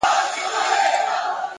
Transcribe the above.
د زړه سکون له صداقت راځي،